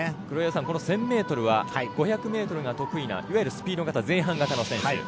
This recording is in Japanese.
黒岩さん、１０００ｍは５００ｍが得意ないわゆるスピード型前半型の選手。